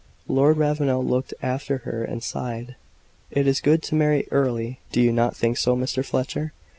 Lord Ravenel looked after her and sighed. "It is good to marry early; do you not think so, Mr. Fletcher?"